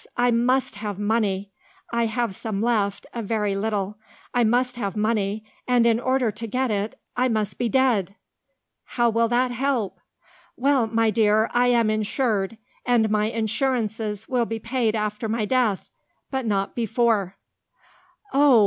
I must have money. I have some left a very little. I must have money; and, in order to get it, I must be dead." "How will that help?" "Why, my dear, I am insured, and my insurances will be paid after my death; but not before." "Oh!